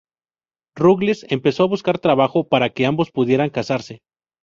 Ruggles empezó a buscar trabajo para que ambos pudieran casarse.